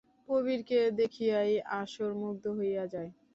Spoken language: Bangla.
প্রবীরকে দেখিয়াই আসর মুগ্ধ হইয়া যায়।